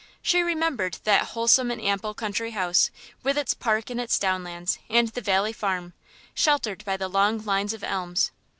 She remembered that wholesome and ample country house, with its park and its down lands, and the valley farm, sheltered by the long lines of elms.